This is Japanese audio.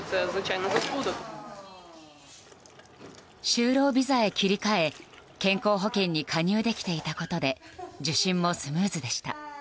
就労ビザへ切り替え健康保険に加入できていたことで受診もスムーズでした。